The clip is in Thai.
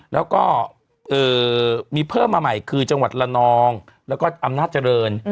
แล้วก็มีเพิ่มมาใหม่คือจังหวัดละนองแล้วก็อำนาจเจริญ